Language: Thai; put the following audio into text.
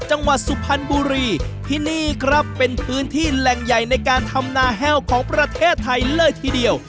จังหวัดสุพรรณบุรีที่นี่ครับเป็นพื้นที่แหล่งใหญ่ในการทำนาแห้วของประเทศไทยเลยทีเดียว